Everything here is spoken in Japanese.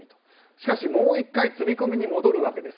しかし、もう１回積み込みに戻るわけです。